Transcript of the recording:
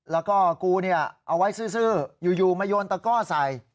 แล้วก็กูเนี่ยเอาไว้ซื้ออยู่มาโยนตะก้อใส่